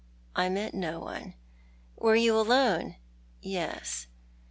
" I met no one." " AVere you alone ?"" Yes."